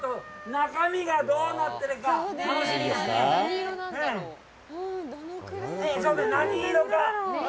中身がどうなってるか、楽しみですね。